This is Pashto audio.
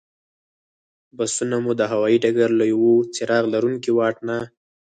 بسونه مو د هوایي ډګر له یوه څراغ لرونکي واټ نه.